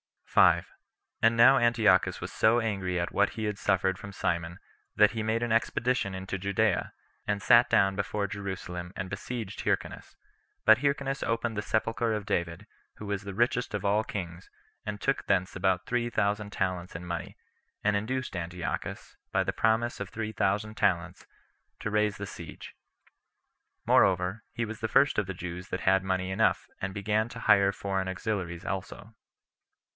5. And now Antiochus was so angry at what he had suffered from Simon, that he made an expedition into Judea, and sat down before Jerusalem and besieged Hyrcanus; but Hyrcanus opened the sepulcher of David, who was the richest of all kings, and took thence about three thousand talents in money, and induced Antiochus, by the promise of three thousand talents, to raise the siege. Moreover, he was the first of the Jews that had money enough, and began to hire foreign auxiliaries also.